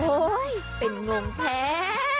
โอ๊ยเป็นงงแท้